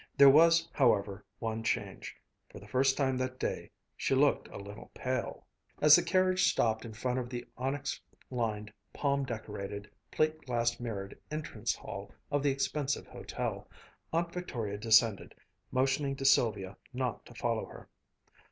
There was, however, one change. For the first time that day, she looked a little pale. As the carriage stopped in front of the onyx lined, palm decorated, plate glass mirrored "entrance hall" of the expensive hotel, Aunt Victoria descended, motioning to Sylvia not to follow her.